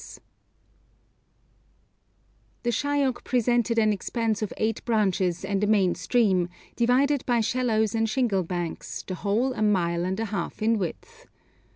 [Illustration: A LAMA] The Shayok presented an expanse of eight branches and a main stream, divided by shallows and shingle banks, the whole a mile and a half in width.